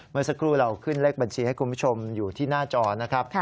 เมื่อสักครู่เราขึ้นเลขบัญชีให้คุณผู้ชมอยู่ที่หน้าจอนะครับ